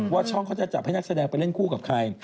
ช่องเขาจะจับให้นักแสดงไปเล่นคู่กับใคร